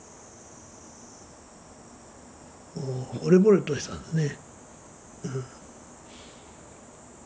もうほれぼれとしたんですね。